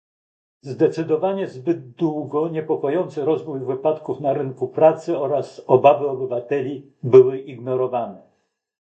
Zdecydowanie zbyt długo niepokojący rozwój wypadków na rynku pracy oraz obawy obywateli były ignorowane